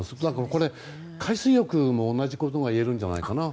これ、海水浴も同じことがいえるんじゃないかな。